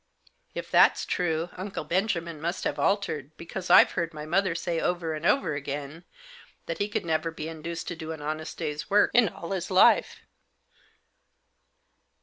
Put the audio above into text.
'"" If that's true, Uncle Benjamin must have altered, because I've heard my mother say, over and over again, that he never could be induced to do an honest day's work in all his life."